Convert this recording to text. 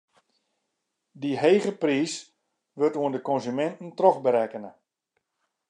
Dy hege priis wurdt oan de konsuminten trochberekkene.